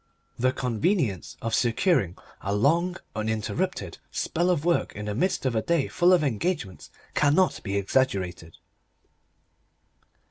The convenience of securing a long, uninterrupted spell of work in the midst of a day full of engagements cannot be exaggerated.